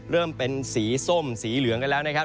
เริ่มเป็นสีส้มสีเหลืองกันแล้วนะครับ